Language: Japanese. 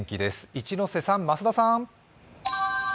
一ノ瀬さん、増田さん。